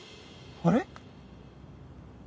あれ？